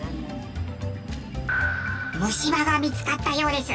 虫歯が見つかったようです！